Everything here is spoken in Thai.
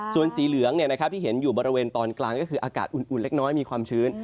ส่วนสีเหลืองที่เห็นอยู่บริเวณตอนกลางก็คืออากาศอุ่นเล็กน้อยมีความชื้น